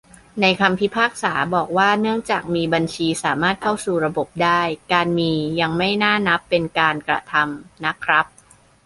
ในคำพิพากษา บอกว่าเนื่องจากมีบัญชีสามารถเข้าสู่ระบบได้ - การ'มี' ยังไม่น่านับเป็นการกระทำนะครับ